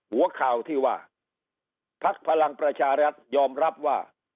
หัวข่าวที่ว่าพักพลังประชารัฐยอมรับว่า